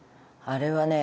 あれはね